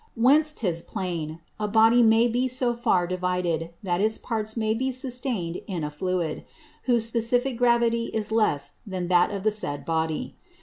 Whence 'tis plain, a Body may be so far divided, that its Parts may be sustain'd in a Fluid, whose specifick Gravity is less than that of the said Body.